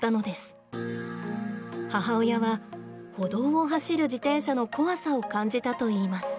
母親は歩道を走る自転車の怖さを感じたといいます。